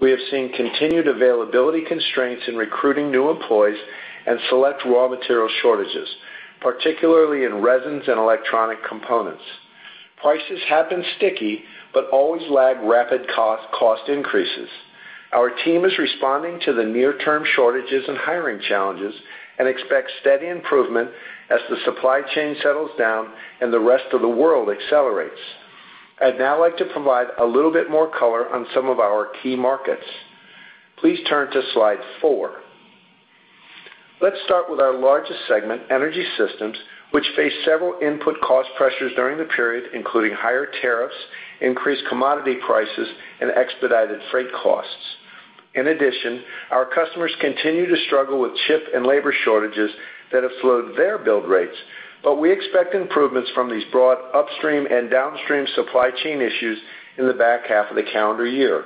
We have seen continued availability constraints in recruiting new employees and select raw material shortages, particularly in resins and electronic components. Prices have been sticky but always lag rapid cost increases. Our team is responding to the near-term shortages and hiring challenges and expects steady improvement as the supply chain settles down and the rest of the world accelerates. I'd now like to provide a little bit more color on some of our key markets. Please turn to slide four. Let's start with our largest segment, Energy Systems, which faced several input cost pressures during the period, including higher tariffs, increased commodity prices, and expedited freight costs. Our customers continue to struggle with chip and labor shortages that have slowed their build rates, but we expect improvements from these broad upstream and downstream supply chain issues in the back half of the calendar year.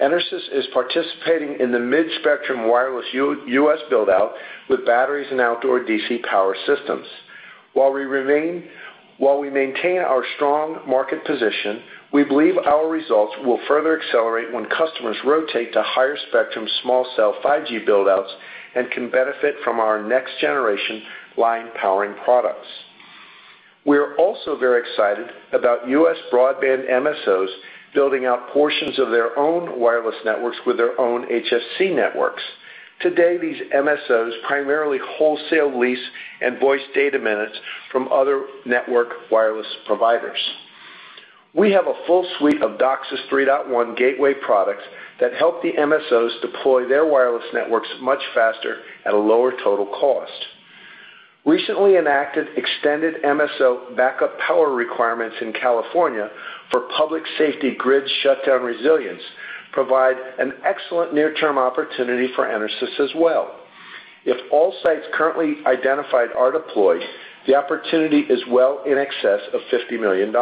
EnerSys is participating in the mid-spectrum wireless U.S. buildout with batteries and outdoor DC power systems. While we maintain our strong market position, we believe our results will further accelerate when customers rotate to higher spectrum small-cell 5G buildouts and can benefit from our next-generation line-powering products. We are also very excited about U.S. broadband MSOs building out portions of their own wireless networks with their own HFC networks. Today, these MSOs primarily wholesale lease and voice data minutes from other network wireless providers. We have a full suite of DOCSIS 3.1 gateway products that help the MSOs deploy their wireless networks much faster at a lower total cost. Recently enacted extended MSO backup power requirements in California for public safety grid shutdown resilience provide an excellent near-term opportunity for EnerSys as well. If all sites currently identified are deployed, the opportunity is well in excess of $50 million.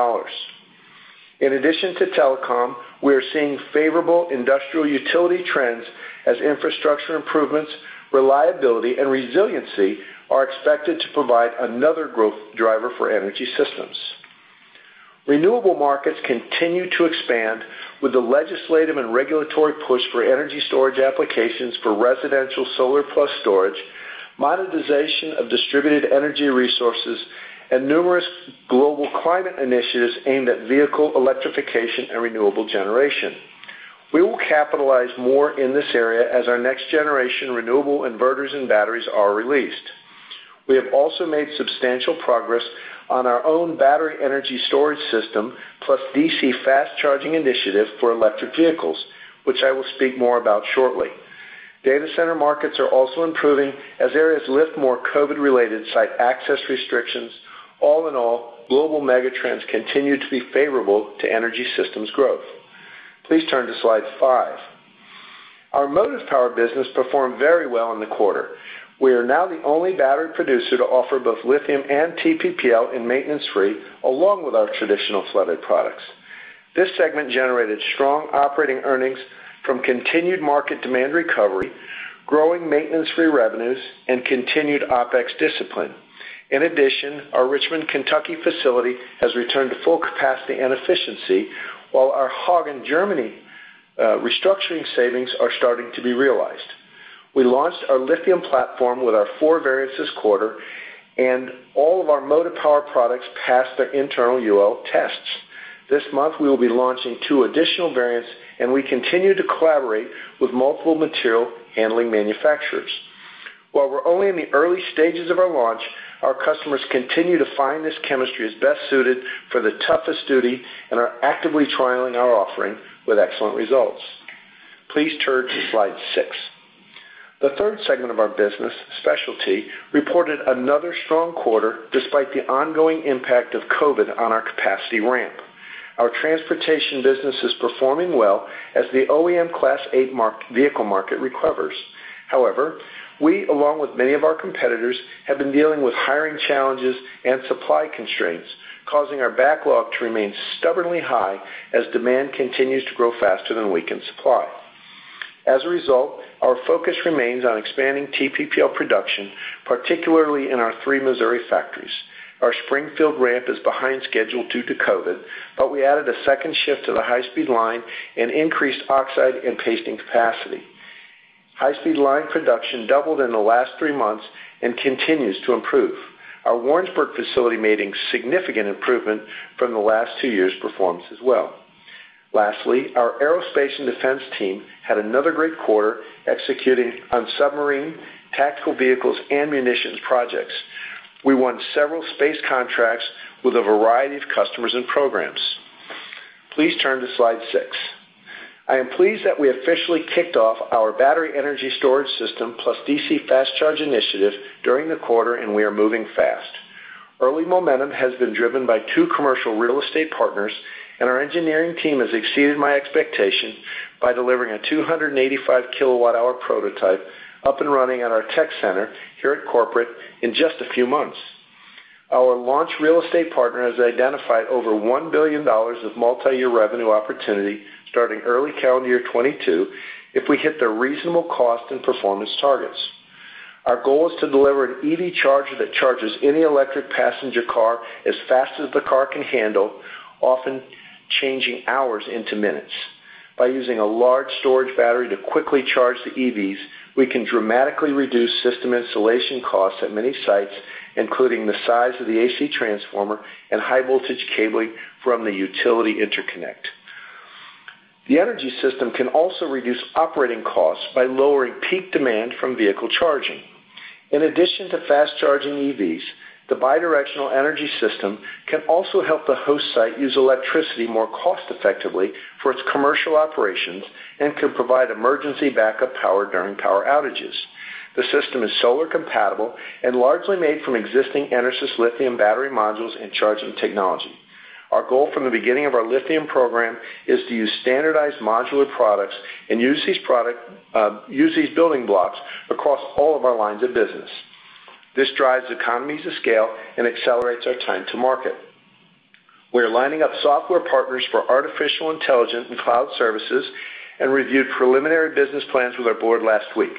In addition to telecom, we are seeing favorable industrial utility trends as infrastructure improvements, reliability, and resiliency are expected to provide another growth driver for EnerSys. Renewable markets continue to expand with the legislative and regulatory push for energy storage applications for residential solar plus storage, monetization of distributed energy resources, and numerous global climate initiatives aimed at vehicle electrification and renewable generation. We will capitalize more in this area as our next-generation renewable inverters and batteries are released. We have also made substantial progress on our own battery energy storage system plus DC fast-charging initiative for electric vehicles, which I will speak more about shortly. Data center markets are also improving as areas lift more COVID-related site access restrictions. All in all, global megatrends continue to be favorable to EnerSys growth. Please turn to slide five. Our motive power business performed very well in the quarter. We are now the only battery producer to offer both lithium and TPPL in maintenance-free, along with our traditional flooded products. This segment generated strong operating earnings from continued market demand recovery, growing maintenance-free revenues, and continued OpEx discipline. In addition, our Richmond, Kentucky facility has returned to full capacity and efficiency, while our Hagen in Germany restructuring savings are starting to be realized. We launched our lithium platform with our four variants this quarter, and all of our motive power products passed their internal UL tests. This month, we'll be launching two additional variants, and we continue to collaborate with multiple material handling manufacturers. While we're only in the early stages of our launch, our customers continue to find this chemistry is best suited for the toughest duty and are actively trialing our offering with excellent results. Please turn to slide six. The third segment of our business, Specialty, reported another strong quarter despite the ongoing impact of COVID on our capacity ramp. Our transportation business is performing well as the OEM Class 8 vehicle market recovers. However, we, along with many of our competitors, have been dealing with hiring challenges and supply constraints, causing our backlog to remain stubbornly high as demand continues to grow faster than we can supply. As a result, our focus remains on expanding TPPL production, particularly in our three Missouri factories. Our Springfield ramp is behind schedule due to COVID, but we added a second shift to the high-speed line and increased oxide and pasting capacity. High-speed line production doubled in the last three months and continues to improve. Our Warrensburg facility made a significant improvement from the last two years' performance as well. Lastly, our aerospace and defense team had another great quarter executing on submarine, tactical vehicles, and munitions projects. We won several space contracts with a variety of customers and programs. Please turn to slide six. I am pleased that we officially kicked off our Battery Energy Storage System plus DC Fast Charge Initiative during the quarter, and we are moving fast. Early momentum has been driven by two commercial real estate partners, and our engineering team has exceeded my expectation by delivering a 285-kilowatt-hour prototype up and running at our tech center here at corporate in just a few months. Our launch real estate partner has identified over $1 billion of multi-year revenue opportunity starting early calendar year 2022 if we hit their reasonable cost and performance targets. Our goal is to deliver an EV charger that charges any electric passenger car as fast as the car can handle, often changing hours into minutes. By using a large storage battery to quickly charge the EVs, we can dramatically reduce system installation costs at many sites, including the size of the AC transformer and high-voltage cabling from the utility interconnect. The energy system can also reduce operating costs by lowering peak demand from vehicle charging. In addition to fast charging EVs, the bidirectional energy system can also help the host site use electricity more cost effectively for its commercial operations and can provide emergency backup power during power outages. The system is solar compatible and largely made from existing EnerSys lithium battery modules and charging technology. Our goal from the beginning of our lithium program is to use standardized modular products and use these building blocks across all of our lines of business. This drives economies of scale and accelerates our time to market. We are lining up software partners for artificial intelligence and cloud services and reviewed preliminary business plans with our board last week.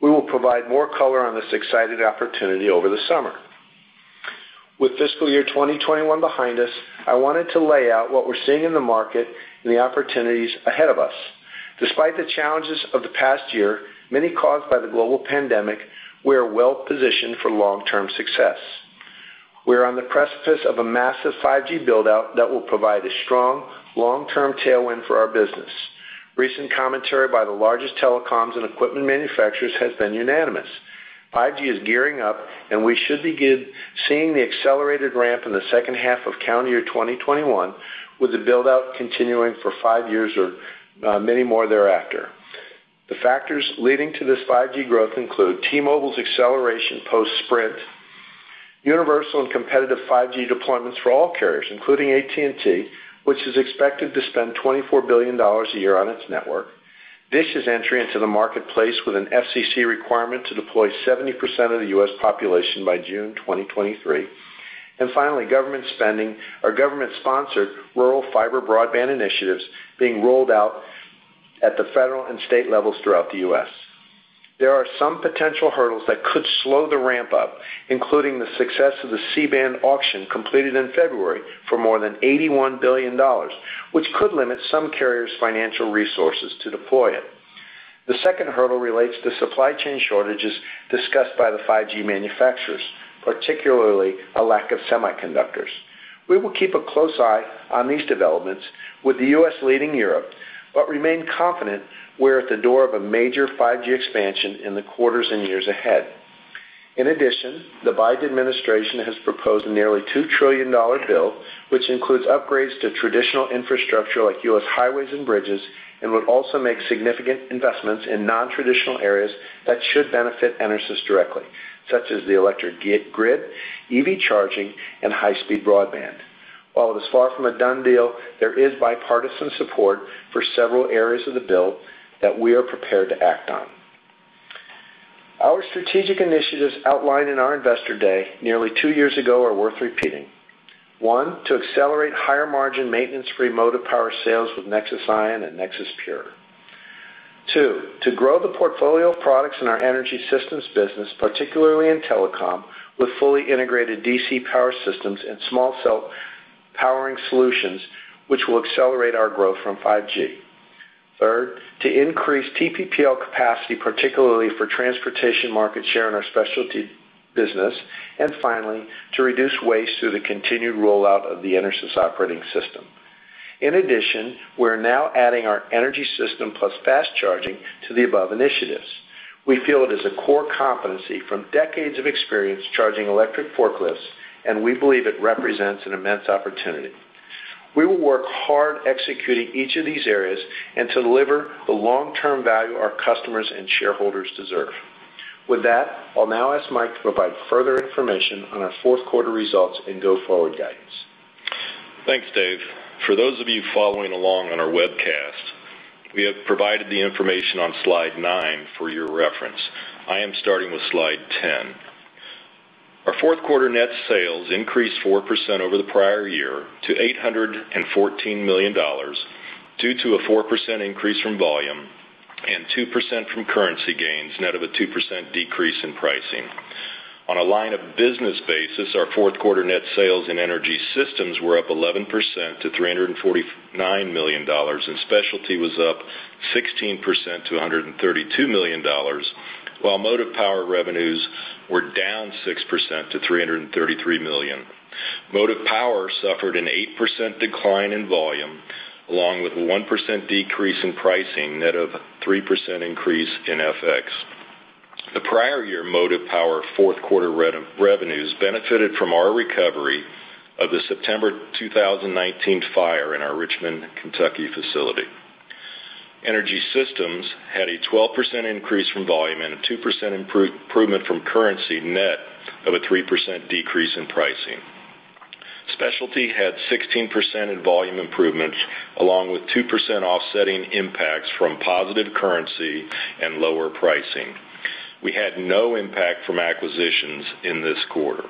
We will provide more color on this exciting opportunity over the summer. With fiscal year 2021 behind us, I wanted to lay out what we're seeing in the market and the opportunities ahead of us. Despite the challenges of the past year, many caused by the global pandemic, we are well-positioned for long-term success. We are on the precipice of a massive 5G buildout that will provide a strong long-term tailwind for our business. Recent commentary by the largest telecoms and equipment manufacturers has been unanimous. 5G is gearing up, and we should begin seeing the accelerated ramp in the second half of calendar year 2021, with the buildout continuing for five years or many more thereafter. The factors leading to this 5G growth include T-Mobile's acceleration post-Sprint, universal and competitive 5G deployments for all carriers, including AT&T, which is expected to spend $24 billion a year on its network. Dish's entry into the marketplace with an FCC requirement to deploy 70% of the U.S. population by June 2023. Finally, government spending or government-sponsored rural fiber broadband initiatives being rolled out at the federal and state levels throughout the U.S. There are some potential hurdles that could slow the ramp-up, including the success of the C-band auction completed in February for more than $81 billion, which could limit some carriers' financial resources to deploy it. The second hurdle relates to supply chain shortages discussed by the 5G manufacturers, particularly a lack of semiconductors. We will keep a close eye on these developments with the U.S. leading Europe, but remain confident we're at the door of a major 5G expansion in the quarters and years ahead. In addition, the Biden administration has proposed a nearly $2 trillion bill, which includes upgrades to traditional infrastructure like U.S. highways and bridges, and would also make significant investments in non-traditional areas that should benefit EnerSys directly, such as the electric grid, EV charging, and high-speed broadband. While it is far from a done deal, there is bipartisan support for several areas of the bill that we are prepared to act on. Our strategic initiatives outlined in our investor day nearly two years ago are worth repeating. One, to accelerate higher-margin, maintenance-free motive power sales with NexSys iON and Ne PURE. Two, to grow the portfolio of products in our energy systems business, particularly in telecom, with fully integrated DC power systems and small-cell powering solutions, which will accelerate our growth from 5G. Third, to increase TPPL capacity, particularly for transportation market share in our specialty business. Finally, to reduce waste through the continued rollout of the EnerSys Operating System. In addition, we're now adding our energy system plus fast charging to the above initiatives. We feel it is a core competency from decades of experience charging electric forklifts, and we believe it represents an immense opportunity. We will work hard executing each of these areas and to deliver the long-term value our customers and shareholders deserve. With that, I'll now ask Mike to provide further information on our fourth quarter results and go-forward guidance. Thanks, Dave. For those of you following along on our webcast, we have provided the information on slide nine for your reference. I am starting with slide 10. Our fourth quarter net sales increased 4% over the prior year to $814 million, due to a 4% increase from volume and 2% from currency gains, net of a 2% decrease in pricing. On a line of business basis, our fourth quarter net sales and Energy Systems were up 11% to $349 million, and Specialty was up 16% to $132 million, while Motive Power revenues were down 6% to $333 million. Motive Power suffered an 8% decline in volume, along with a 1% decrease in pricing, net of 3% increase in FX. The prior year Motive Power fourth quarter revenues benefited from our recovery of the September 2019 fire in our Richmond, Kentucky facility. EnerSys had a 12% increase from volume and a 2% improvement from currency, net of a 3% decrease in pricing. Specialty had 16% in volume improvements, along with 2% offsetting impacts from positive currency and lower pricing. We had no impact from acquisitions in this quarter.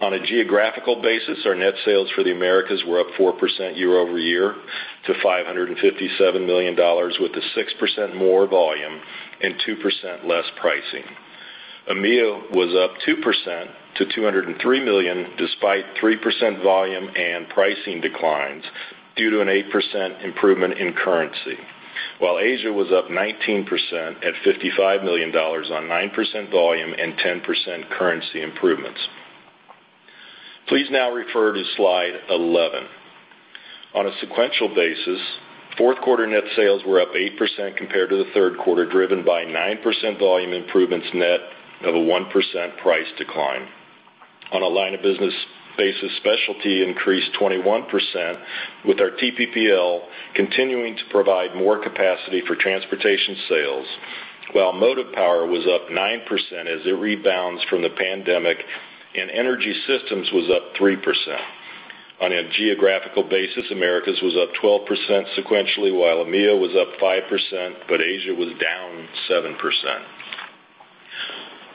On a geographical basis, our net sales for the Americas were up 4% year-over-year to $557 million, with a 6% more volume and 2% less pricing. EMEA was up 2% to $203 million despite 3% volume and pricing declines due to an 8% improvement in currency. While Asia was up 19% at $55 million on 9% volume and 10% currency improvements. Please now refer to slide 11. On a sequential basis, fourth quarter net sales were up 8% compared to the third quarter, driven by 9% volume improvements net of a 1% price decline. On a line of business basis, Specialty increased 21% with our TPPL continuing to provide more capacity for transportation sales, while Motive Power was up 9% as it rebounds from the pandemic, and Energy Systems was up 3%. On a geographical basis, Americas was up 12% sequentially, while EMEA was up 5%, but Asia was down 7%.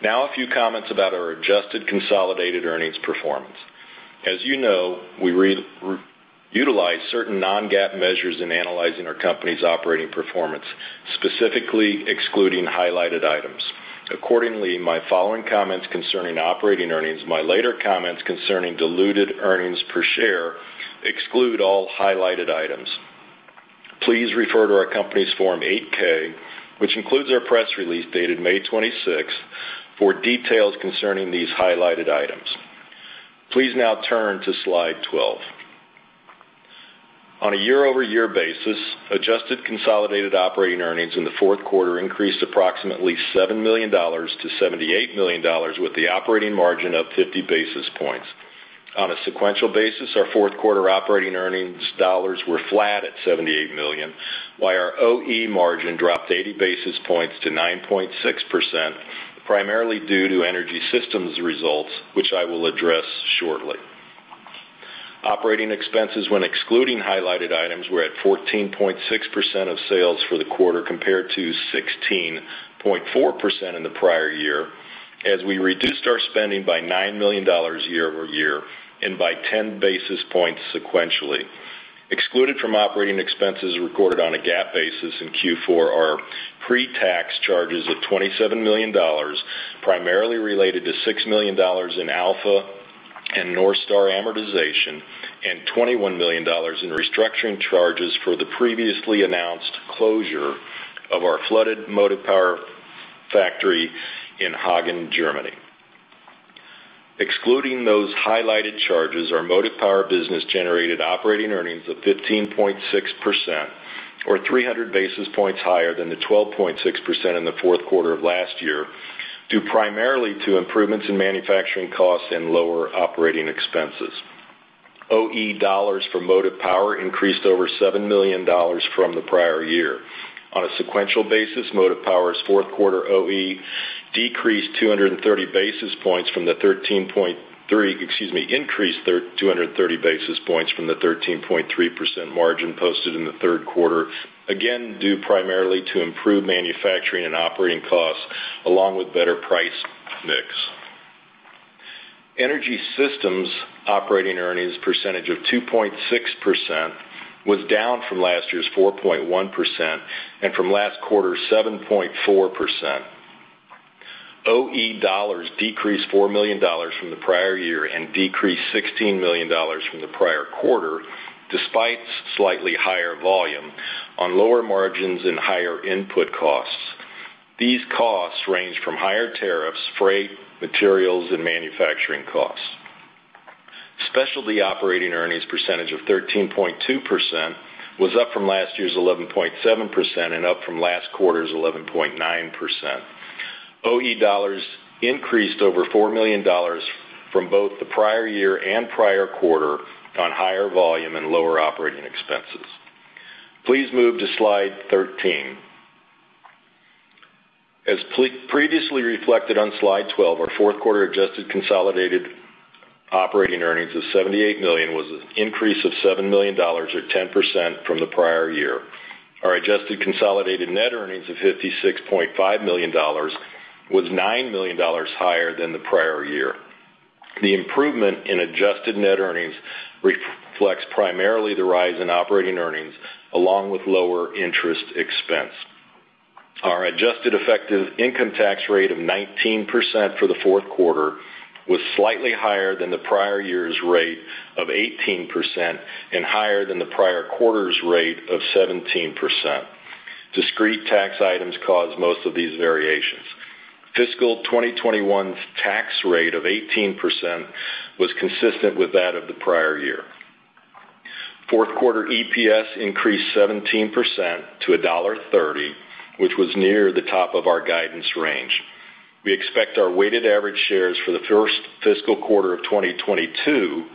A few comments about our adjusted consolidated earnings performance. As you know, we utilize certain non-GAAP measures in analyzing our company's operating performance, specifically excluding highlighted items. Accordingly, my following comments concerning operating earnings, my later comments concerning diluted earnings per share exclude all highlighted items. Please refer to our company's Form 8-K, which includes our press release dated May 26th, 2021 for details concerning these highlighted items. Please now turn to slide 12. On a year-over-year basis, adjusted consolidated operating earnings in the fourth quarter increased approximately $7 million-$78 million, with the operating margin up 50 basis points. On a sequential basis, our fourth quarter operating earnings dollars were flat at $78 million, while our OE margin dropped 80 basis points to 9.6%, primarily due to Energy Systems results, which I will address shortly. Operating expenses when excluding highlighted items were at 14.6% of sales for the quarter compared to 16.4% in the prior year as we reduced our spending by $9 million year-over-year and by 10 basis points sequentially. Excluded from operating expenses recorded on a GAAP basis in Q4 are pre-tax charges of $27 million, primarily related to $6 million in Alpha and NorthStar amortization and $21 million in restructuring charges for the previously announced closure of our flooded Motive Power factory in Hagen, Germany. Excluding those highlighted charges, our Motive Power business generated operating earnings of 15.6%, or 300 basis points higher than the 12.6% in the fourth quarter of last year, due primarily to improvements in manufacturing costs and lower operating expenses. OE dollars for Motive Power increased over $7 million from the prior year. On a sequential basis, Motive Power's fourth quarter OE decreased 230 basis points from the 13.3, excuse me, increased 230 basis points from the 13.3% margin posted in the third quarter, again, due primarily to improved manufacturing and operating costs along with better price mix. EnerSys operating earnings percentage of 2.6% was down from last year's 4.1% and from last quarter's 7.4%. OE dollars decreased $4 million from the prior year and decreased $16 million from the prior quarter, despite slightly higher volume on lower margins and higher input costs. These costs range from higher tariffs, freight, materials, and manufacturing costs. Specialty operating earnings percentage of 13.2% was up from last year's 11.7% and up from last quarter's 11.9%. OE dollars increased over $4 million from both the prior year and prior quarter on higher volume and lower operating expenses. Please move to slide 13. As previously reflected on slide 12, our fourth quarter adjusted consolidated operating earnings of $78 million was an increase of $7 million or 10% from the prior year. Our adjusted consolidated net earnings of $56.5 million was $9 million higher than the prior year. The improvement in adjusted net earnings reflects primarily the rise in operating earnings along with lower interest expense. Our adjusted effective income tax rate of 19% for the fourth quarter was slightly higher than the prior year's rate of 18% and higher than the prior quarter's rate of 17%. Discrete tax items caused most of these variations. Fiscal 2021's tax rate of 18% was consistent with that of the prior year. Fourth quarter EPS increased 17% to $1.30, which was near the top of our guidance range. We expect our weighted average shares for the first fiscal quarter of 2022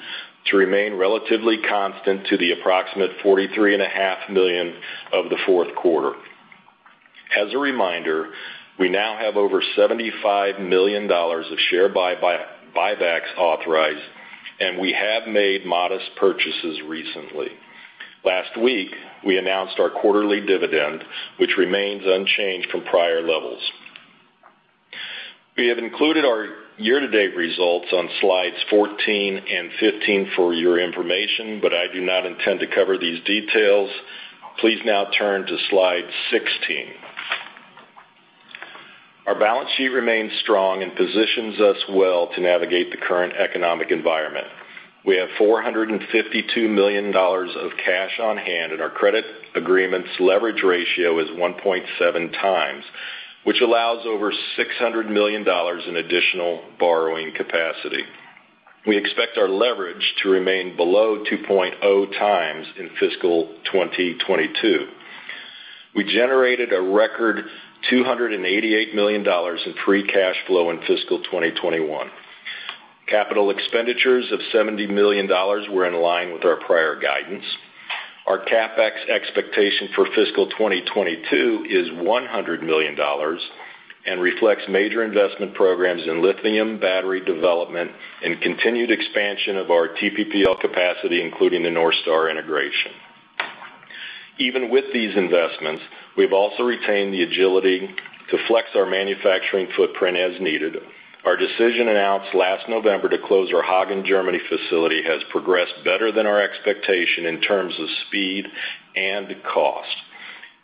to remain relatively constant to the approximate 43.5 million of the fourth quarter. As a reminder, we now have over $75 million of share buybacks authorized, and we have made modest purchases recently. Last week, we announced our quarterly dividend, which remains unchanged from prior levels. We have included our year-to-date results on slides 14 and 15 for your information, but I do not intend to cover these details. Please now turn to slide 16. Our balance sheet remains strong and positions us well to navigate the current economic environment. We have $452 million of cash on hand, and our credit agreement's leverage ratio is 1.7x, which allows over $600 million in additional borrowing capacity. We expect our leverage to remain below 2.0x in fiscal 2022. We generated a record $288 million in free cash flow in fiscal 2021. Capital expenditures of $70 million were in line with our prior guidance. Our CapEx expectation for fiscal 2022 is $100 million and reflects major investment programs in lithium battery development and continued expansion of our TPPL capacity, including the NorthStar integration. Even with these investments, we've also retained the agility to flex our manufacturing footprint as needed. Our decision announced last November to close our Hagen, Germany facility has progressed better than our expectation in terms of speed and cost.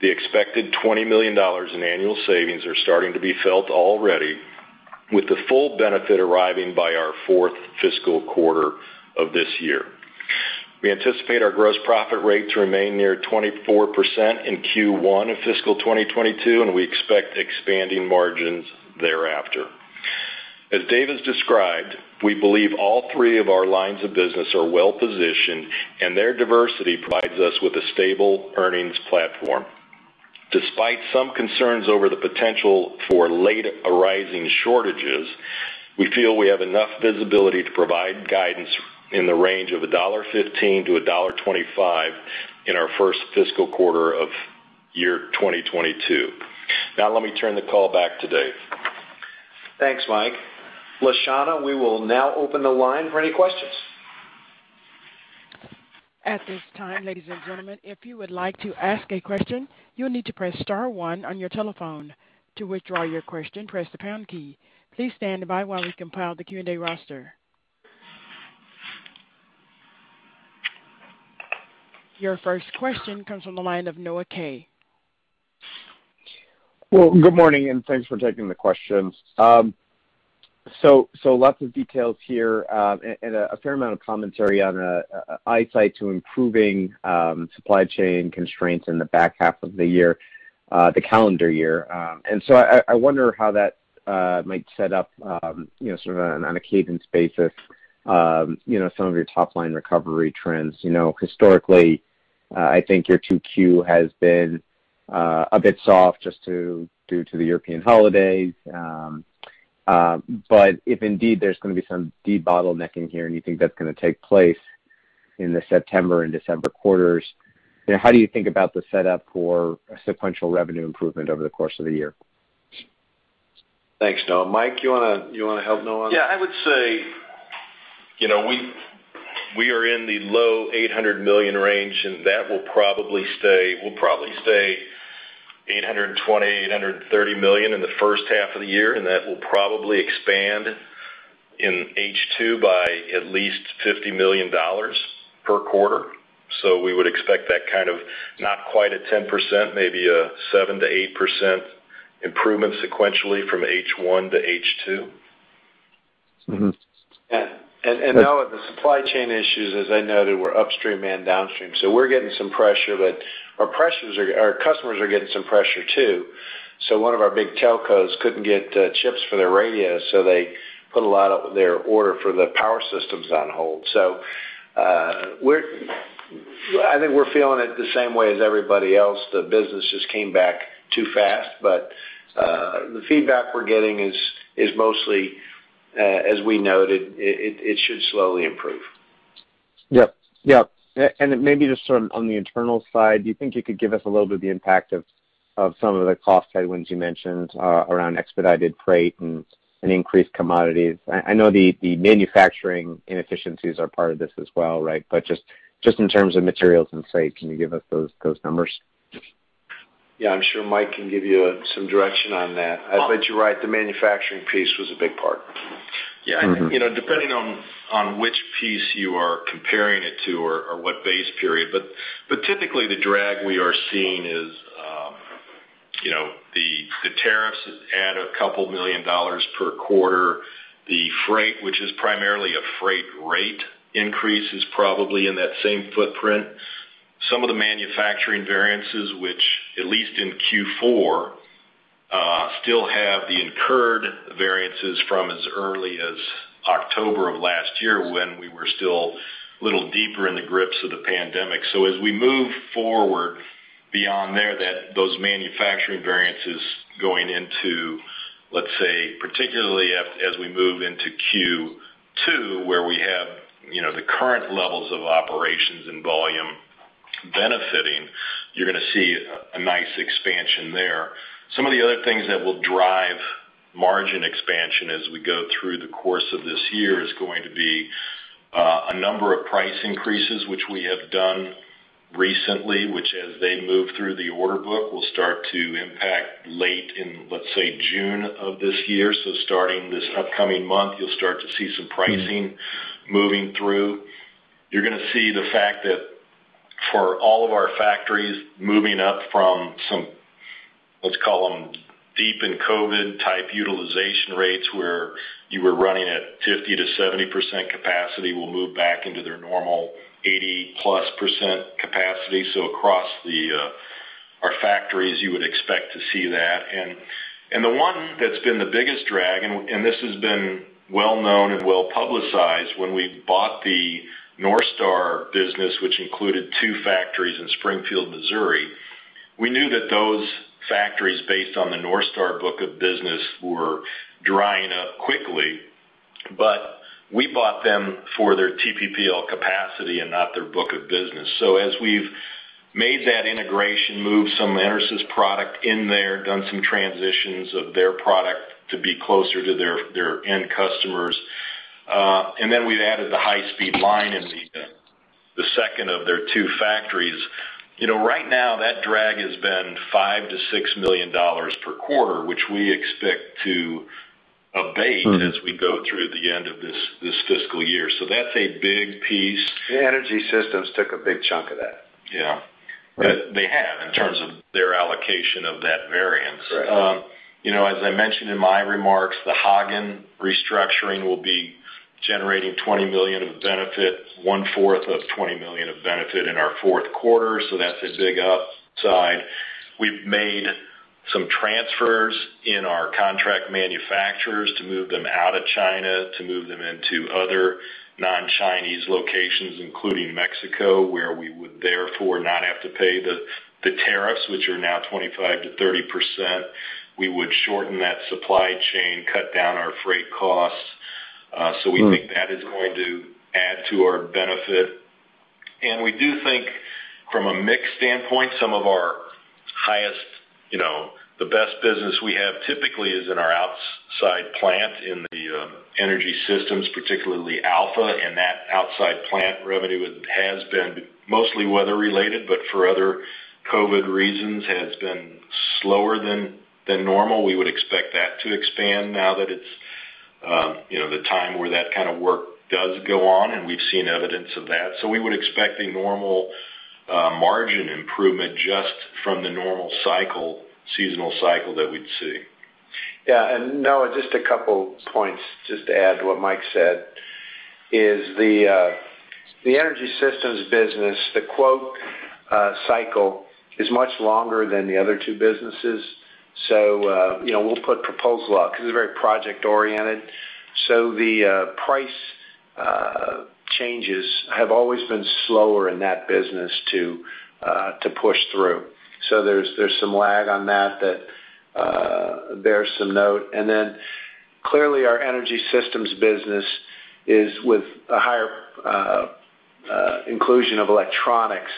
The expected $20 million in annual savings are starting to be felt already, with the full benefit arriving by our fourth fiscal quarter of this year. We anticipate our gross profit rate to remain near 24% in Q1 of fiscal 2022, and we expect expanding margins thereafter. As Dave has described, we believe all three of our lines of business are well-positioned, and their diversity provides us with a stable earnings platform. Despite some concerns over the potential for late arising shortages, we feel we have enough visibility to provide guidance in the range of $1.15-$1.25 in our first fiscal quarter of the year 2022. Now let me turn the call back to Dave. Thanks, Mike. Lashana, we will now open the line for any questions. At this time, ladies and gentlemen, if you would like to ask a question, you'll need to press star one on your telephone. To withdraw your question, press the pound key. Please stand by while we compile the Q&A roster. Your first question comes on the line of Noah Kaye. Well, good morning, thanks for taking the questions. Lots of details here, a fair amount of commentary on an eye to improving supply chain constraints in the back half of the year, the calendar year. I wonder how that might set up sort of an indication of pace with some of your top-line recovery trends. Historically, I think your 2Q has been a bit soft just due to the European holidays. If indeed there's going to be some de-bottlenecking here, you think that's going to take place in the September and December quarters, how do you think about the setup for a sequential revenue improvement over the course of the year? Thanks, Noah. Mike, you want to help Noah? I would say we are in the low $800 million range, and that will probably stay $820 million, $830 million in the first half of the year, and that will probably expand in H2 by at least $50 million per quarter. We would expect that kind of not quite a 10%, maybe a 7%-8% improvement sequentially from H1 to H2. Now with the supply chain issues, as I know they were upstream and downstream. We're getting some pressure, but our customers are getting some pressure, too. One of our big telcos couldn't get chips for their radio, so they put a lot of their order for the power systems on hold. I think we're feeling it the same way as everybody else. The business just came back too fast. The feedback we're getting is mostly, as we noted, it should slowly improve. Yep. Maybe just on the internal side, do you think you could give us a little bit of the impact of some of the cost headwinds you mentioned around expedited freight and increased commodities? I know the manufacturing inefficiencies are part of this as well, right? Just in terms of materials and freight, can you give us those numbers? I'm sure Mike can give you some direction on that. I bet you're right, the manufacturing piece was a big part. Yeah. Depending on which piece you are comparing it to or what base period. Typically, the drag we are seeing is the tariffs add a couple million dollars per quarter. The freight, which is primarily a freight rate increase, is probably in that same footprint. Some of the manufacturing variances, which at least in Q4, still have the incurred variances from as early as October of last year when we were still a little deeper in the grips of the pandemic. As we move forward beyond there, those manufacturing variances going into, let's say, particularly as we move into Q2, where we have the current levels of operations and volume benefiting, you're going to see a nice expansion there. Some of the other things that will drive margin expansion as we go through the course of this year is going to be a number of price increases, which we have done recently, which as they move through the order book, will start to impact late in, let's say, June of this year. Starting this upcoming month, you'll start to see some pricing moving through. You're going to see the fact that for all of our factories moving up from some, let's call them deep in COVID type utilization rates, where you were running at 50%-70% capacity, will move back into their normal 80% plus capacity. Across our factories, you would expect to see that. The one that's been the biggest drag, and this has been well known and well publicized, when we bought the NorthStar business, which included 2 factories in Springfield, Missouri, we knew that those factories, based on the NorthStar book of business, were drying up quickly. We bought them for their TPPL capacity and not their book of business. As we've made that integration move, some EnerSys product in there, done some transitions of their product to be closer to their end customers, and then we've added the high-speed line in the second of their 2 factories. Right now, that drag has been $5 million-$6 million per quarter, which we expect to abate as we go through the end of this fiscal year. That's a big piece. EnerSys took a big chunk of that. Yeah. They have in terms of their allocation of that variance. Right. As I mentioned in my remarks, the Hagen restructuring will be generating $20 million of benefit, 1/4 of $20 million of benefit in our fourth quarter. That's a big upside. We've made some transfers in our contract manufacturers to move them out of China, to move them into other non-Chinese locations, including Mexico, where we would therefore not have to pay the tariffs, which are now 25%-30%. We would shorten that supply chain, cut down our freight costs. We think that is going to add to our benefit. We do think from a mix standpoint, some of our highest, the best business we have typically is in our outside plant in the EnerSys, particularly Alpha. That outside plant revenue has been mostly weather related, but for other COVID reasons, has been slower than normal. We would expect that to expand now that it's the time where that kind of work does go on, and we've seen evidence of that. We would expect a normal margin improvement just from the normal seasonal cycle that we'd see. Yeah. Noah, just a couple points just to add to what Mike said, is the Energy Systems business, the quote cycle is much longer than the other two businesses. We'll put proposal out because it's very project oriented. The price changes have always been slower in that business to push through. There's some lag on that bears some note. Clearly our Energy Systems business is with a higher inclusion of electronics,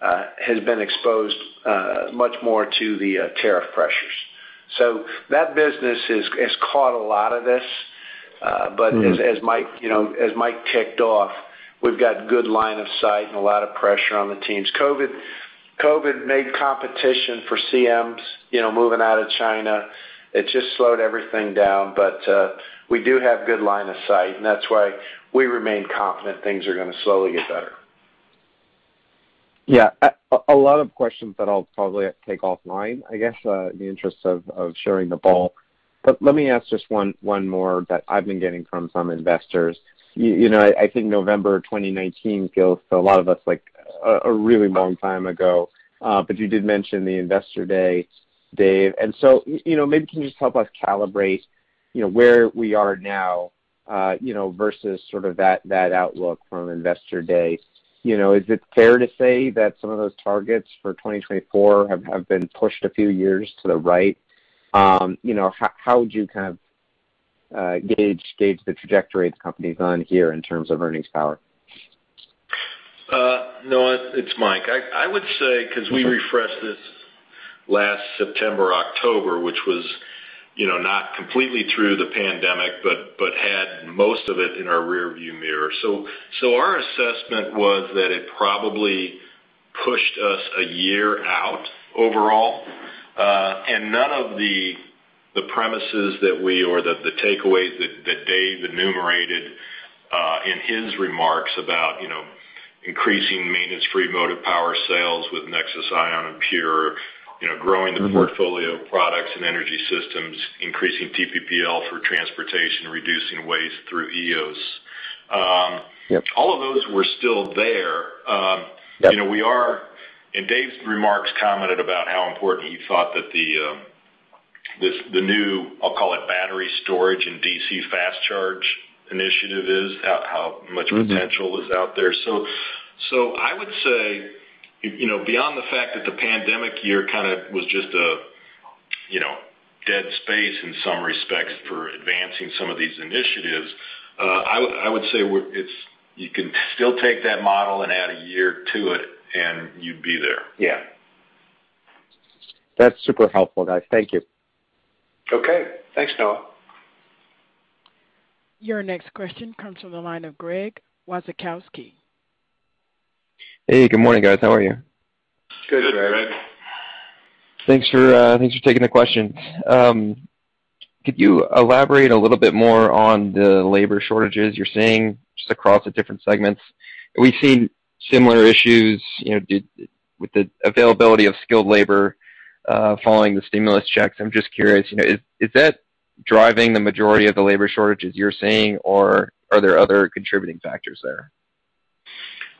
has been exposed much more to the tariff pressures. That business has caught a lot of this. As Mike kicked off, we've got good line of sight and a lot of pressure on the teams. COVID made competition for CMs moving out of China. It just slowed everything down. We do have good line of sight, and that's why we remain confident things are going to slowly get better. Yeah. A lot of questions that I'll probably have to take offline, I guess, in the interest of sharing the ball. Let me ask just one more that I've been getting from some investors. I think November 2019 feels for a lot of us like a really long time ago. You did mention the Investor Day, Dave, and so maybe can you just help us calibrate where we are now versus that outlook from Investor Day? Is it fair to say that some of those targets for 2024 have been pushed a few years to the right? How would you gauge the trajectory the company's on here in terms of earnings power? Noah, it's Mike. I would say, because we refreshed this last September, October, which was not completely through the pandemic, but had most of it in our rear view mirror. Our assessment was that it probably pushed us a year out overall. None of the premises or the takeaways that Dave enumerated in his remarks about increasing maintenance-free motive power sales with NexSys iON and PURE, growing the portfolio of products and energy systems, increasing TPPL for transportation, reducing waste through EOS, all of those were still there. Dave's remarks commented about how important he thought that the new, I'll call it battery storage and DC fast charge initiative is, how much potential is out there. I would say, beyond the fact that the pandemic year kind of was just a dead space in some respects, advancing some of these initiatives, I would say you can still take that model and add a year to it and you'd be there. Yeah. That's super helpful, guys. Thank you. Okay. Thanks, Noah. Your next question comes from the line of Greg Wasikowski. Hey, good morning, guys. How are you? Good, Greg. Thanks for taking the question. Could you elaborate a little bit more on the labor shortages you're seeing just across the different segments? We've seen similar issues with the availability of skilled labor following the stimulus checks. I'm just curious, is that driving the majority of the labor shortages you're seeing, or are there other contributing factors there?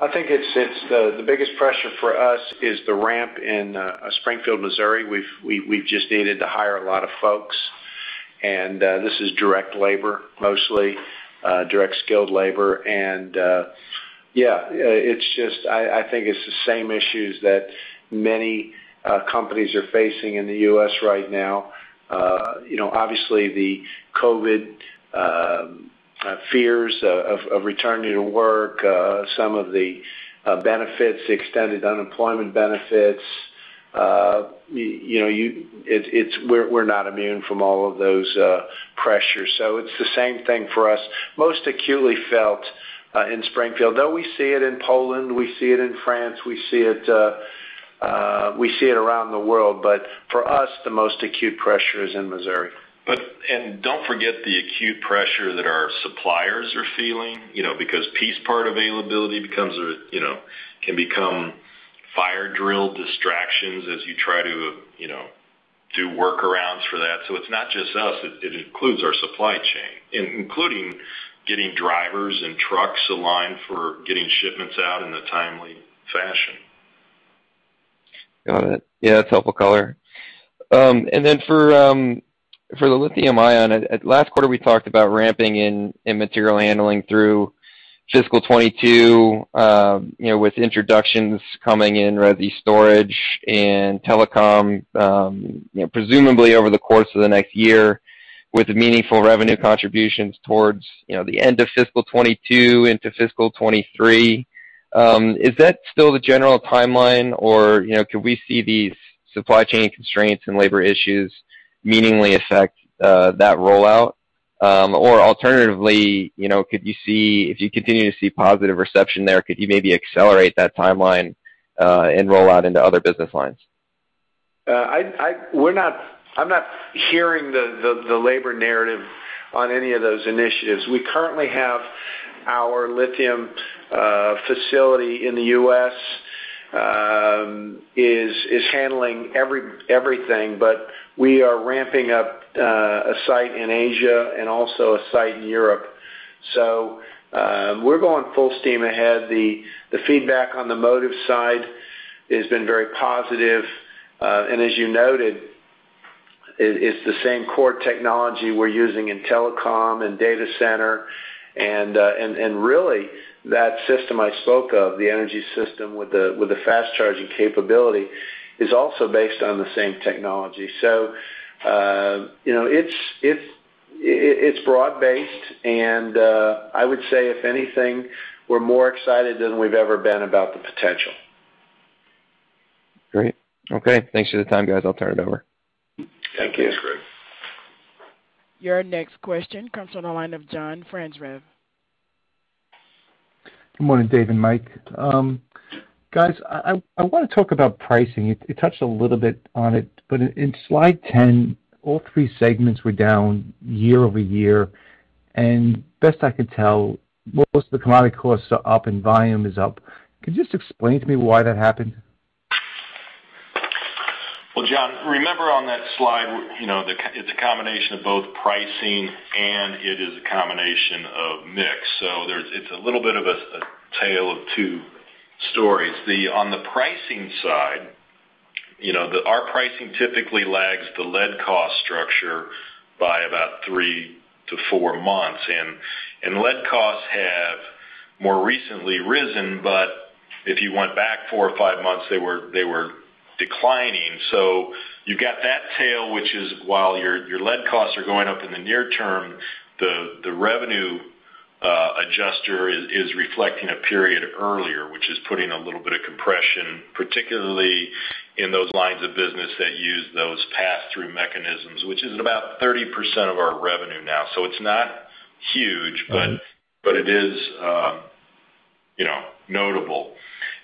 I think the biggest pressure for us is the ramp in Springfield, Missouri. We just needed to hire a lot of folks, and this is direct labor, mostly. Direct skilled labor. Yeah, I think it's the same issues that many companies are facing in the U.S. right now. Obviously, the COVID fears of returning to work, some of the benefits, extended unemployment benefits. We're not immune from all of those pressures, so it's the same thing for us. Most acutely felt in Springfield, though we see it in Poland, we see it in France, we see it around the world, but for us, the most acute pressure is in Missouri. Don't forget the acute pressure that our suppliers are feeling, because piece part availability can become fire drill distractions as you try to do workarounds for that. It's not just us. It includes our supply chain, including getting drivers and trucks aligned for getting shipments out in a timely fashion. Got it. Yeah, that's helpful color. Then for the lithium-ion, at last quarter, we talked about ramping in material-handling through fiscal 2022, with introductions coming in, whether it be storage and telecom, presumably over the course of the next year, with meaningful revenue contributions towards the end of fiscal 2022 into fiscal 2023. Is that still the general timeline, or could we see these supply chain constraints and labor issues meaningfully affect that rollout? Alternatively, if you continue to see positive reception there, could you maybe accelerate that timeline and roll out into other business lines? I'm not hearing the labor narrative on any of those initiatives. We currently have our lithium facility in the U.S. is handling everything, but we are ramping up a site in Asia and also a site in Europe. We're going full steam ahead. The feedback on the motive side has been very positive. As you noted, it's the same core technology we're using in telecom and data center. Really, that system I spoke of, the energy system with the fast charging capability, is also based on the same technology. It's broad based and I would say, if anything, we're more excited than we've ever been about the potential. Great. Okay. Thanks for your time, guys. I'll turn it over. Thank you, Greg. Your next question comes on the line of John Franzreb. Good morning, Dave and Mike. Guys, I want to talk about pricing. You touched a little bit on it. In slide 10, all three segments were down year-over-year, and best I could tell, most of the commodity costs are up and volume is up. Could you just explain to me why that happened? John, remember on that slide, it's a combination of both pricing and it is a combination of mix. It's a little bit of a tale of two stories. On the pricing side, our pricing typically lags the lead cost structure by about three to four months, and lead costs have more recently risen, but if you went back four or five months, they were declining. You've got that tail, which is, while your lead costs are going up in the near term, the revenue adjuster is reflecting a period earlier, which is putting a little bit of compression, particularly in those lines of business that use those pass-through mechanisms, which is about 30% of our revenue now. It's not huge, but it is notable.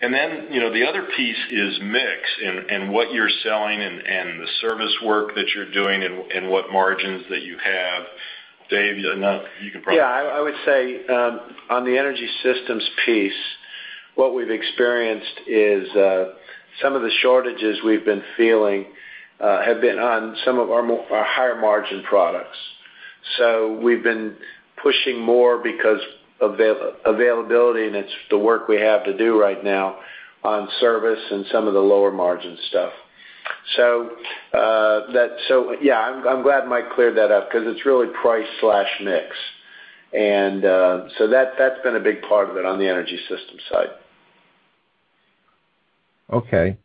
Then, the other piece is mix and what you're selling and the service work that you're doing and what margins that you have. Dave, you can probably- Yeah, I would say, on the EnerSys piece, what we've experienced is some of the shortages we've been feeling have been on some of our higher margin products. We've been pushing more because of availability and it's the work we have to do right now on service and some of the lower margin stuff. Yeah, I'm glad Mike cleared that up because it's really price/mix. That's been a big part of it on the EnerSys side. Okay.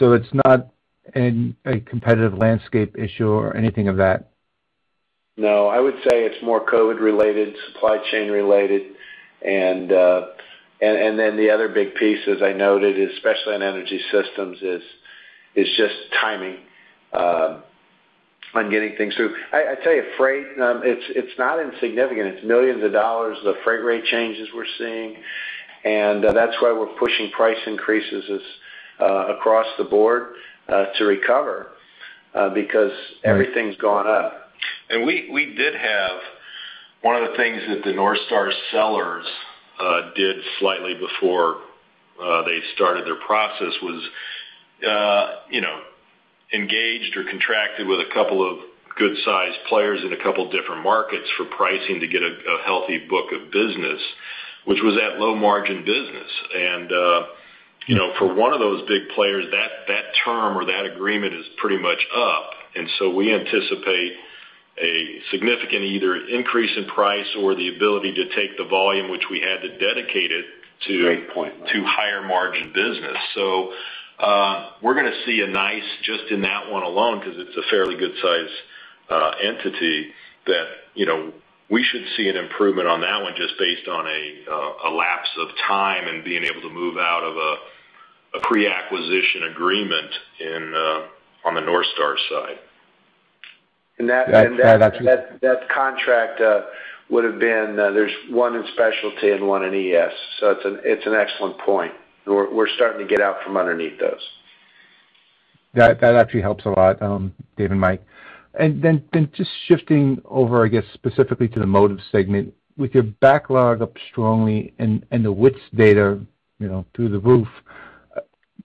It's not a competitive landscape issue or anything like that? No, I would say it's more COVID related, supply chain related. The other big piece, as I noted, especially on energy systems, is just timing on getting things through. I tell you, freight, it's not insignificant. It's millions of dollars, the freight rate changes we're seeing. That's why we're pushing price increases across the board to recover, because everything's gone up. We did have one of the things that the NorthStar sellers did slightly before they started their process was engaged or contracted with a couple of good-sized players in a couple different markets for pricing to get a healthy book of business, which was that low margin business. For one of those big players, that term or that agreement is pretty much up. We anticipate a significant either increase in price or the ability to take the volume which we had to dedicate it to- Great point, Mike. to higher margin business. We're going to see a nice, just in that one alone, because it's a fairly good size entity, that we should see an improvement on that one just based on a lapse of time and being able to move out of a pre-acquisition agreement on the NorthStar side. That contract would have been, there's one in specialty and one in ES. It's an excellent point. We're starting to get out from underneath those. That actually helps a lot, Dave and Mike. Just shifting over, I guess, specifically to the motive segment. With your backlog up strongly and the WITS data through the roof,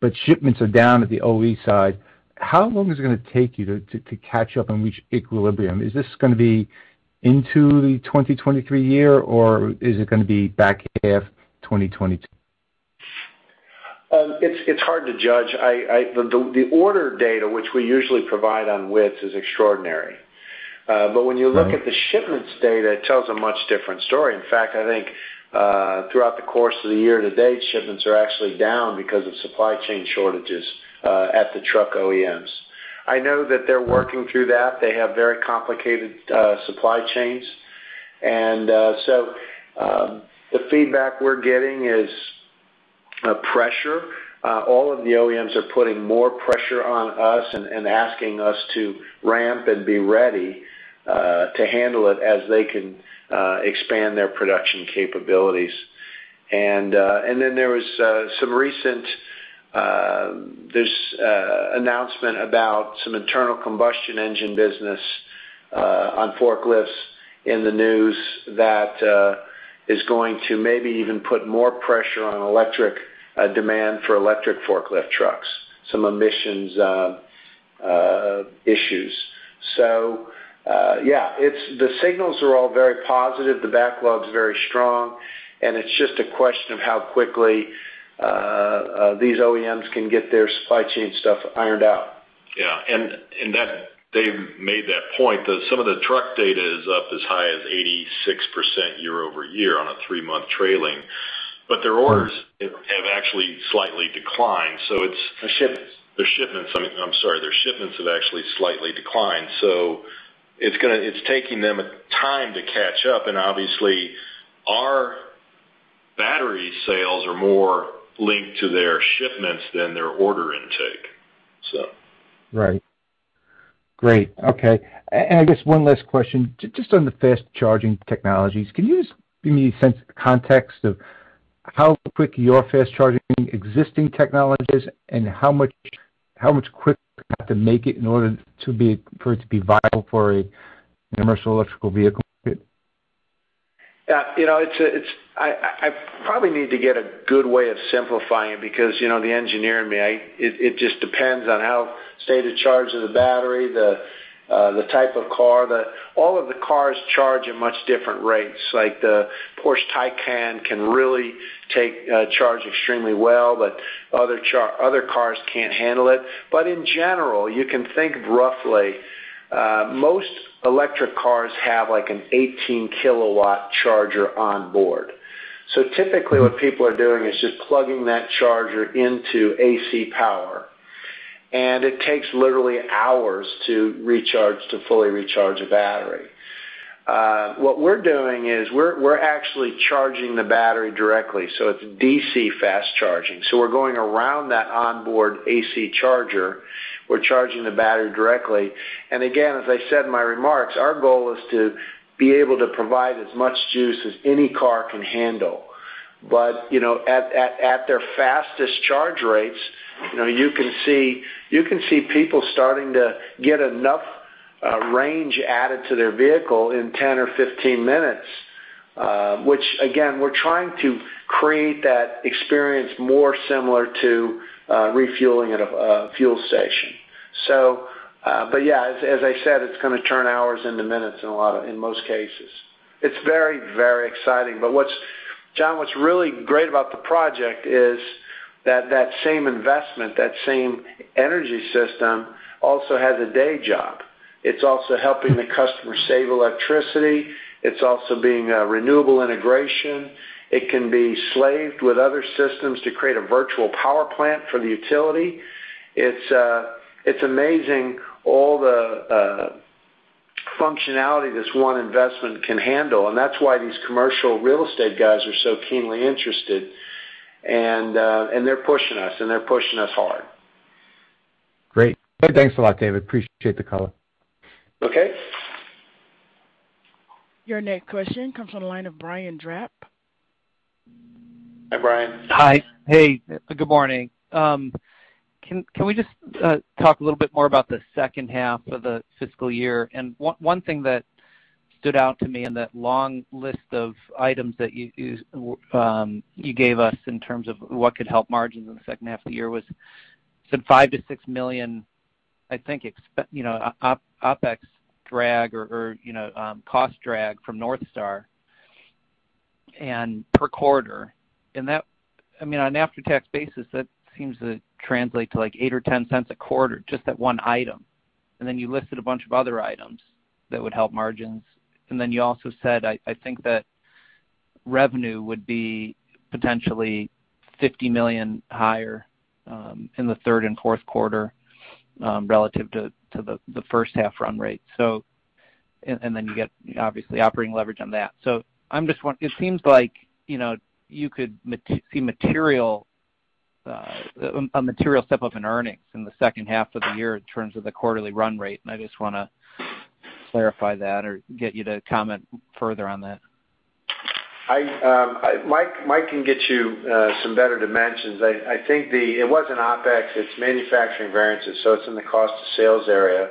but shipments are down at the OE side, how long is it going to take you to catch up and reach equilibrium? Is this going to be into the 2023 year, or is it going to be back half 2022? It's hard to judge. The order data, which we usually provide on WITS, is extraordinary. When you look at the shipments data, it tells a much different story. In fact, I think throughout the course of the year to date, shipments are actually down because of supply chain shortages at the truck OEMs. I know that they're working through that. They have very complicated supply chains. The feedback we're getting is pressure. All of the OEMs are putting more pressure on us and asking us to ramp and be ready to handle it as they can expand their production capabilities. Then there was some recent announcement about some internal combustion engine business on forklifts in the news that is going to maybe even put more pressure on electric demand for electric forklift trucks, some emissions issues. Yeah, the signals are all very positive. The backlog's very strong. It's just a question of how quickly these OEMs can get their supply chain stuff ironed out. Yeah. They made that point that some of the truck data is up as high as 86% year-over-year on a three month trailing, but their orders have actually slightly declined. Their shipments. Their shipments, I'm sorry, their shipments have actually slightly declined. It's taking them time to catch up, and obviously our battery sales are more linked to their shipments than their order intake, so. Right. Great. Okay. I guess one last question, just on the fast charging technologies. Can you just give me a sense of context of how quick your fast charging existing technology is and how much quicker you have to make it in order for it to be viable for a commercial electrical vehicle market? I probably need to get a good way of simplifying it because the engineer in me, it just depends on how state-of-charge of the battery, the type of car. All of the cars charge at much different rates. Like the Porsche Taycan can really charge extremely well, but other cars can't handle it. In general, you can think roughly, most electric cars have an 18 kilowatt charger on board. Typically what people are doing is just plugging that charger into AC power, and it takes literally hours to fully recharge a battery. What we're doing is we're actually charging the battery directly, so it's DC fast charging. We're going around that onboard AC charger. We're charging the battery directly. Again, as I said in my remarks, our goal is to be able to provide as much juice as any car can handle. At their fastest charge rates, you can see people starting to get enough range added to their vehicle in 10 or 15 minutes, which again, we're trying to create that experience more similar to refueling at a fuel station. Yeah, as I said, it's going to turn hours into minutes in most cases. It's very, very exciting. John, what's really great about the project is that that same investment, that same energy system also has a day job. It's also helping the customer save electricity. It's also being a renewable integration. It can be slaved with other systems to create a virtual power plant for the utility. It's amazing all the functionality this one investment can handle, and that's why these commercial real estate guys are so keenly interested, and they're pushing us, and they're pushing us hard. Great. Thanks a lot, Dave. Appreciate the call. Okay. Your next question comes on the line of Brian Drab. Hi, Brian. Good morning. Can we just talk a little bit more about the second half of the fiscal year? One thing that stood out to me in that long list of items that you gave us in terms of what could help margins in the second half of the year was some $5 million-$6 million, I think, OpEx drag or cost drag from NorthStar and per quarter. On an after-tax basis, that seems to translate to $0.08 or $0.10 a quarter, just that one item. You listed a bunch of other items that would help margins. You also said, I think that revenue would be potentially $50 million higher in the third and fourth quarter relative to the first half run rate. You get, obviously, operating leverage on that. It seems like you could see a material step up in earnings in the second half of the year in terms of the quarterly run rate, and I just want to clarify that or get you to comment further on that. Mike can get you some better dimensions. I think it wasn't OpEx, it's manufacturing variances. It's in the cost of sales area.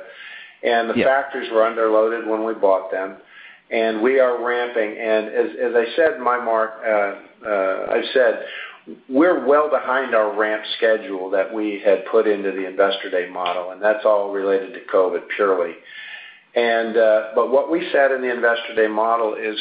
Yeah. The factors were underloaded when we bought them, and we are ramping. As I said, we're well behind our ramp schedule that we had put into the investor day model, and that's all related to COVID purely. What we said in the investor day model is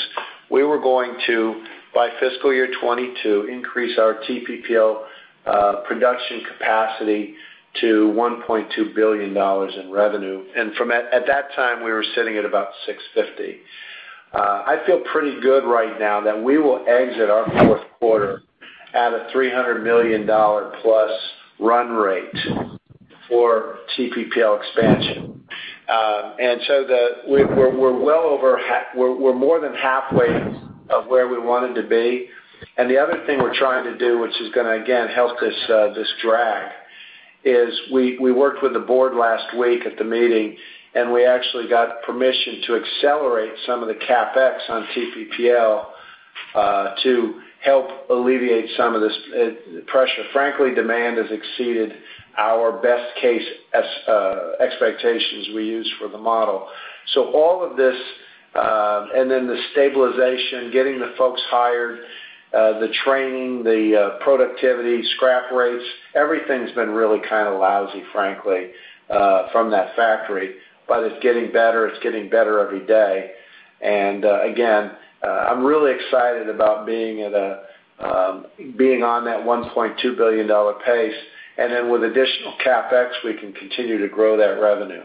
we were going to, by fiscal year 2022, increase our TPPL production capacity to $1.2 billion in revenue. At that time, we were sitting at about $650 million. I feel pretty good right now that we will exit our fourth quarter at a $300 million-plus run rate for TPPL expansion. We're more than halfway of where we wanted to be. The other thing we're trying to do, which is going to, again, help this drag, is we worked with the board last week at the meeting, and we actually got permission to accelerate some of the CapEx on TPPL to help alleviate some of this pressure. Frankly, demand has exceeded our best case expectations we used for the model. All of this, and then the stabilization, getting the folks hired, the training, the productivity, scrap rates, everything's been really kind of lousy, frankly, from that factory. It's getting better every day. Again, I'm really excited about being on that $1.2 billion pace. Then with additional CapEx, we can continue to grow that revenue.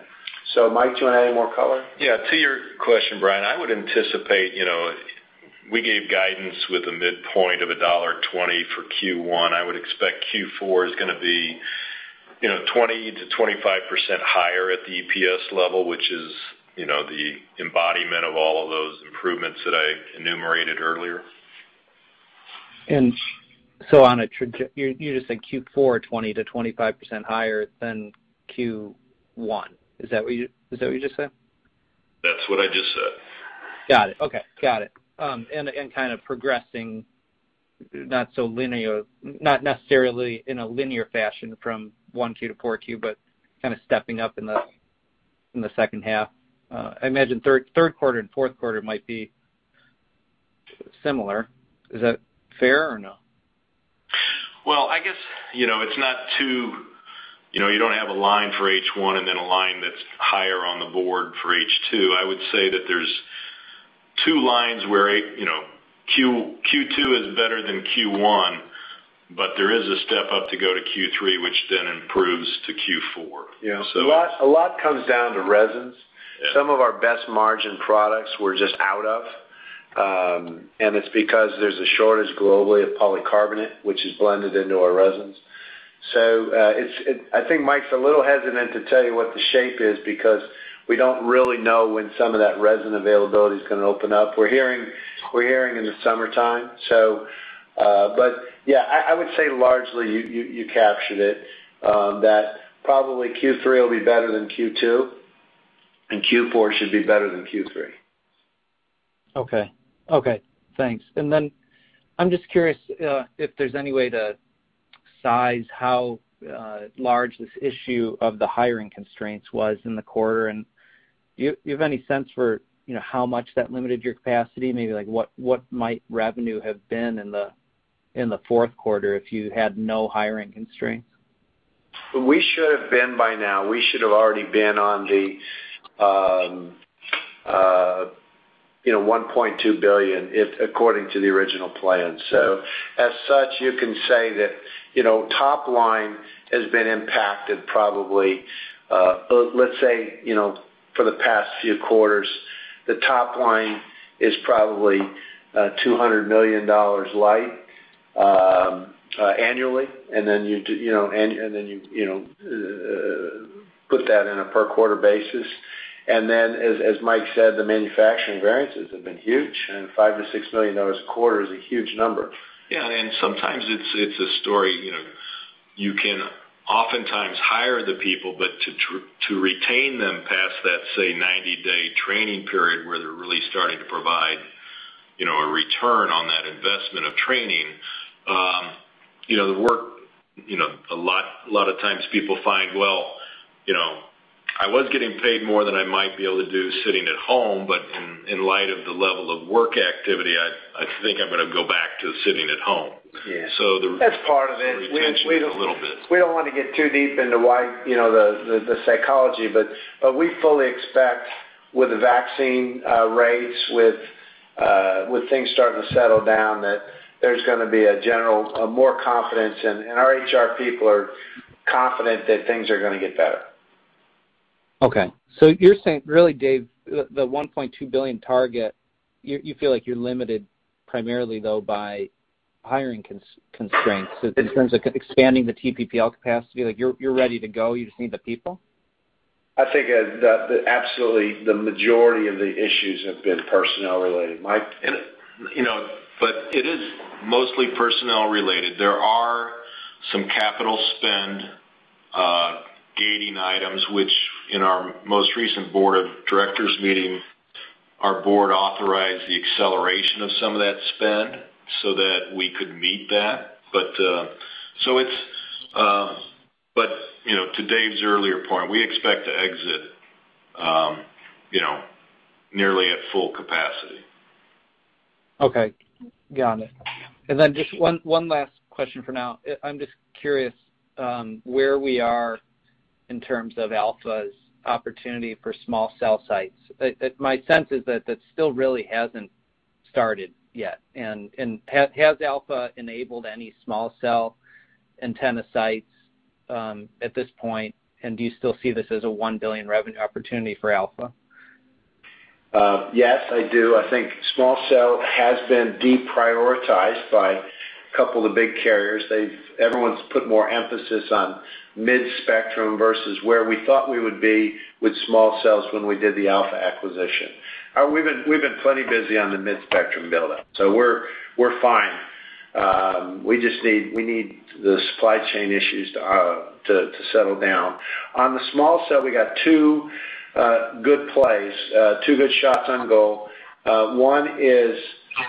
Mike, do you want to add any more color? To your question, Brian, I would anticipate we gave guidance with a midpoint of a $1.20 for Q1. I would expect Q4 is going to be 20%-25% higher at the EPS level, which is the embodiment of all of those improvements that I enumerated earlier. You just said Q4 20%-25% higher than Q1. Is that what you just said? That's what I just said. Got it. Okay. Got it. Kind of progressing, not necessarily in a linear fashion from Q1 to Q4, but kind of stepping up in the second half. I imagine third quarter and fourth quarter might be similar. Is that fair or no? I guess you don't have a line for H1 and then a line that's higher on the board for H2. I would say that there's two lines where Q2 is better than Q1. There is a step up to go to Q3, which improves to Q4. Yeah. A lot comes down to resins. Yeah. Some of our best margin products we're just out of. It's because there's a shortage globally of polycarbonate, which is blended into our resins. I think Mike's a little hesitant to tell you what the shape is because we don't really know when some of that resin availability is going to open up. We're hearing in the summertime. Yeah, I would say largely you captured it, that probably Q3 will be better than Q2, and Q4 should be better than Q3. Okay. Thanks. I'm just curious if there's any way to size how large this issue of the hiring constraints was in the quarter. Do you have any sense for how much that limited your capacity? Maybe what might revenue have been in the fourth quarter if you had no hiring constraints? We should have been by now. We should have already been on the $1.2 billion according to the original plan. As such, you can say that top line has been impacted probably, let's say, for the past few quarters, the top line is probably $200 million light annually, and then you put that in a per quarter basis. As Mike said, the manufacturing variances have been huge, and $5 million-$6 million a quarter is a huge number. Yeah. Sometimes it's a story. You can oftentimes hire the people, but to retain them past that, say, 90-day training period where they're really starting to provide a return on that investment of training. A lot of times people find, well, I was getting paid more than I might be able to do sitting at home, but in light of the level of work activity, I think I'm going to go back to sitting at home. Yeah. the retention is a little bit. That's part of it. We don't want to get too deep into the psychology, we fully expect with the vaccine rates, with things starting to settle down, that there's going to be a general more confidence, and our HR people are confident that things are going to get better. You're saying really, Dave, the $1.2 billion target, you feel like you're limited primarily though by hiring constraints in terms of expanding the TPPL capacity? You're ready to go. You just need the people. I think absolutely the majority of the issues have been personnel related. Mike? It is mostly personnel related. There are some capital spend gating items, which in our most recent Board of Directors meeting, our board authorized the acceleration of some of that spend so that we could meet that. To Dave's earlier point, we expect to exit nearly at full capacity. Okay. Got it. Just one last question for now. I'm just curious where we are in terms of Alpha's opportunity for small-cell sites. My sense is that that still really hasn't started yet. Has Alpha enabled any small-cell antenna sites at this point, and do you still see this as a $1 billion revenue opportunity for Alpha? Yes, I do. I think small-cell has been deprioritized by a couple of big carriers. Everyone's put more emphasis on mid-spectrum versus where we thought we would be with small-cells when we did the Alpha acquisition. We've been plenty busy on the mid-spectrum buildout. We're fine. We need the supply chain issues to settle down. On the small-cell, we got two good plays, two good shots on goal. One is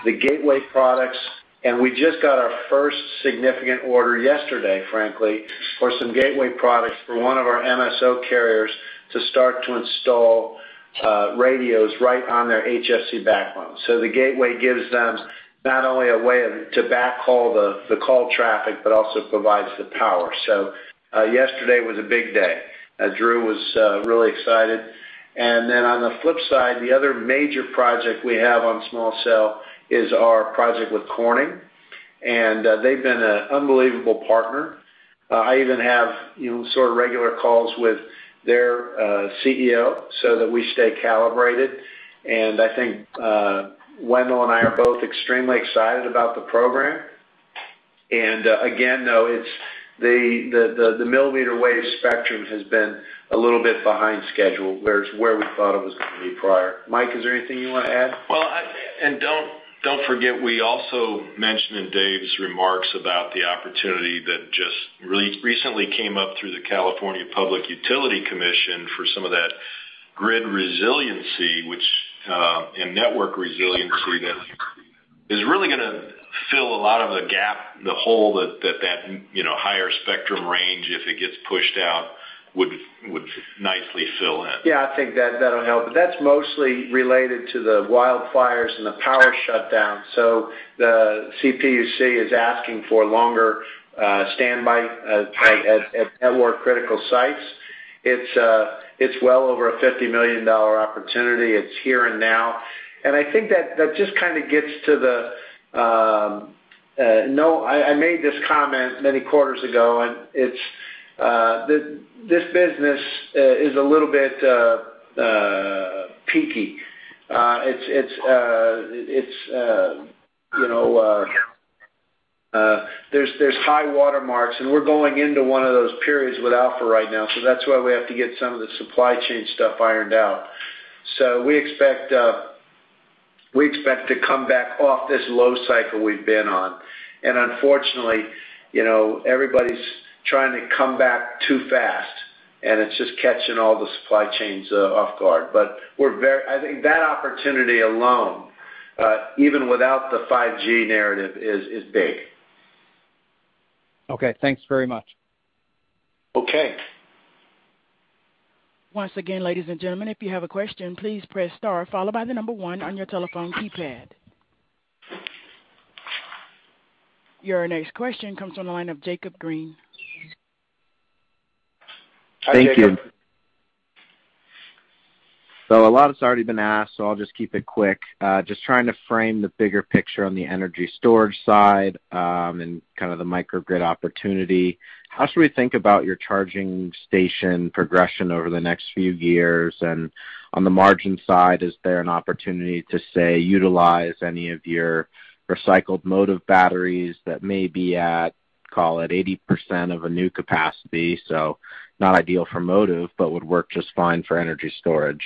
the gateway products, and we just got our first significant order yesterday, frankly, for some gateway products from one of our MSO carriers to start to install radios right on their HFC backbone. The gateway gives them not only a way to backhaul the call traffic, but also provides the power. Yesterday was a big day. Drew was really excited. Then on the flip side, the other major project we have on small-cell is our project with Corning, and they've been an unbelievable partner. I even have sort of regular calls with their CEO so that we stay calibrated. I think Wendell and I are both extremely excited about the program. Again, though, the millimeter wave spectrum has been a little bit behind schedule where we thought it was going to be prior. Mike, is there anything you want to add? Don't forget, we also mentioned in Dave's remarks about the opportunity that just recently came up through the California Public Utilities Commission for some of that grid resiliency and network resiliency that is really going to fill a lot of the gap, the hole that that higher spectrum range, if it gets pushed out, would nicely fill in. Yeah, I think that'll help. That's mostly related to the wildfires and the power shutdown. The CPUC is asking for longer standby at more critical sites. It's well over a $50 million opportunity. It's here and now. I think that just kind of gets to. I made this comment many quarters ago, and this business is a little bit peaky. There's high water marks, and we're going into one of those periods with Alpha right now. That's why we have to get some of the supply chain stuff ironed out. We expect to come back off this low cycle we've been on. Unfortunately, everybody's trying to come back too fast, and it's just catching all the supply chains off guard. I think that opportunity alone, even without the 5G narrative, is big. Okay. Thanks very much. Okay. Your next question comes on the line of Jacob Green. Thank you. A lot has already been asked, so I'll just keep it quick. Just trying to frame the bigger picture on the energy storage side, and the microgrid opportunity. How should we think about your charging station progression over the next few years? On the margin side, is there an opportunity to, say, utilize any of your recycled motive batteries that may be at, call it 80% of a new capacity, so not ideal for motive, but would work just fine for energy storage?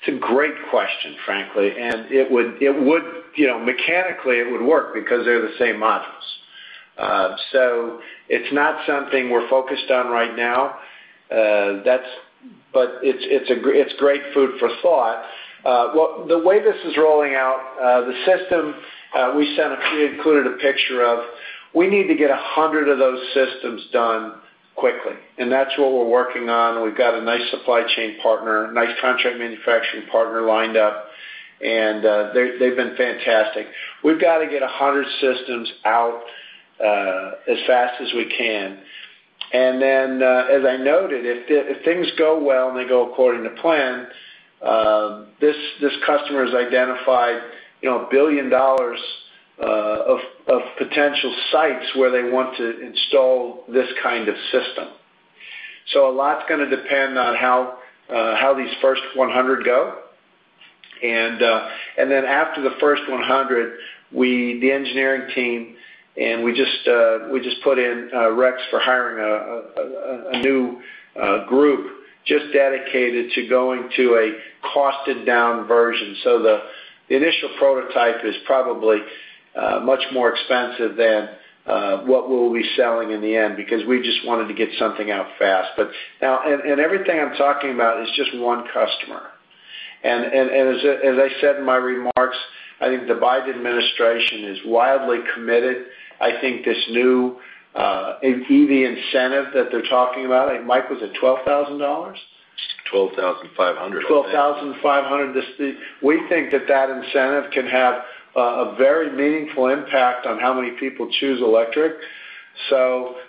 It's a great question, frankly. Mechanically, it would work because they're the same models. It's not something we're focused on right now. It's great food for thought. The way this is rolling out, the system we included a picture of, we need to get 100 of those systems done quickly, and that's what we're working on. We've got a nice supply chain partner, nice contract manufacturing partner lined up, and they've been fantastic. We've got to get 100 systems out as fast as we can. As I noted, if things go well, and they go according to plan, this customer's identified $1 billion of potential sites where they want to install this kind of system. A lot's going to depend on how these first 100 go. After the first 100, the engineering team, we just put in reqs for hiring a new group just dedicated to going to a costed-down version. The initial prototype is probably much more expensive than what we'll be selling in the end because we just wanted to get something out fast. Everything I'm talking about is just one customer. As I said in my remarks, I think the Biden administration is wildly committed. I think this new EV incentive that they're talking about, Mike, was it $12,000? 12,500, I think. $12,500. We think that that incentive can have a very meaningful impact on how many people choose electric.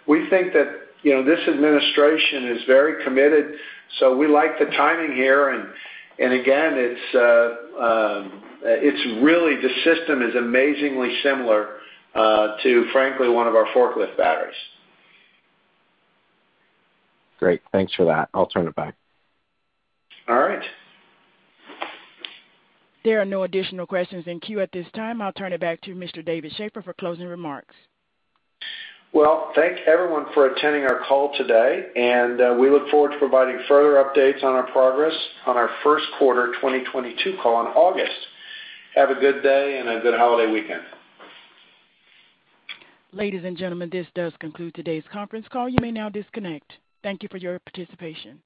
We think that this administration is very committed, so we like the timing here, and again, the system is amazingly similar to, frankly, one of our forklift batteries. Great. Thanks for that. I'll turn it back. All right. There are no additional questions in queue at this time. I will turn it back to Mr. David Shaffer for closing remarks. Well, thank everyone for attending our call today, and we look forward to providing further updates on our progress on our first quarter 2022 call in August. Have a good day and a good holiday weekend. Ladies and gentlemen, this does conclude today's conference call. You may now disconnect. Thank you for your participation.